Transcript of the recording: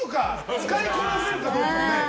使いこなせるかどうか。